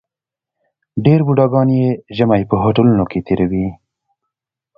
ډېر بوډاګان یې ژمی په هوټلونو کې تېروي.